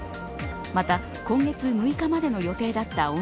また、今月６日までの予定だった